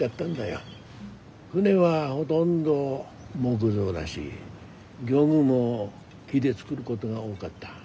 船はほとんど木造だし漁具も木で作るこどが多がった。